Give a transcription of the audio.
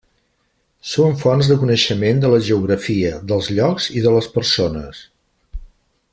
Són fonts de coneixement de la geografia, dels llocs i de les persones.